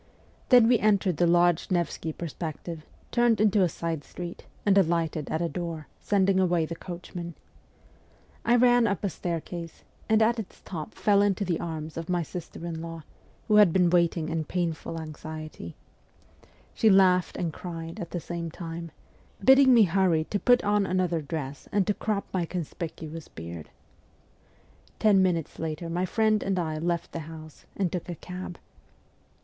Then we entered the large Nevsky Perspective, turned into a side street, and alighted at a door, sending away the coachman. I ran up a stair case, and at its top fell into the arms of my sister in law, who had been waiting in painful anxiety. She laughed and cried at the same time, bidding me hurry to put on another dress and to crop my conspicuous beard. Ten minutes later my friend and I left the house and took a cab.